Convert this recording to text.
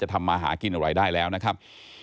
ทำมาหากินอะไรได้แล้วนะครับ